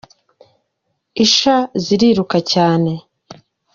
Isha ziriruka cyane.